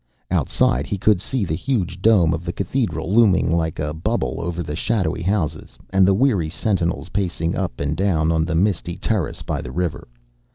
Outside he could see the huge dome of the cathedral, looming like a bubble over the shadowy houses, and the weary sentinels pacing up and down on the misty terrace by the river.